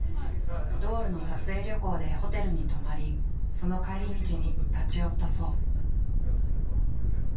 ドールの撮影旅行でホテルに泊まりその帰り道に立ち寄ったそう。